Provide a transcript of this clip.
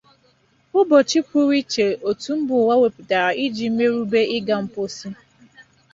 ụbọchị pụrụ iche òtù mba ụwa weputàrà iji merùbe ịga mposi